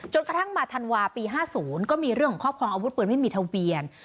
กระทั่งมาธันวาปี๕๐ก็มีเรื่องของครอบครองอาวุธปืนไม่มีทะเบียน